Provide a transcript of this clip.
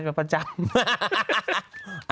อ่ะประจำ